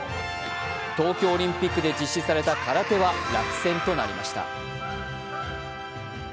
東京オリンピックで実施された空手は落選となりました。